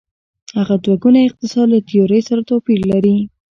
هغه دوه ګونی اقتصاد له تیورۍ سره توپیر لري.